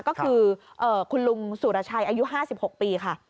ก็คือเอ่อคุณลุงสูรชัยอายุห้าสิบหกปีค่ะ